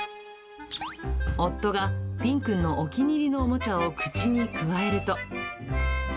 夫がフィンくんのお気に入りのおもちゃを口にくわえると。